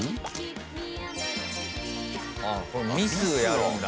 ああ、ミスやるんだ。